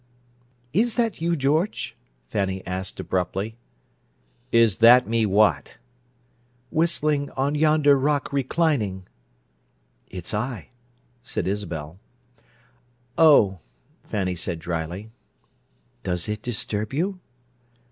"Is that you, George?" Fanny asked abruptly. "Is that me what?" "Whistling 'On Yonder Rock Reclining'?" "It's I," said Isabel. "Oh," Fanny said dryly. "Does it disturb you?"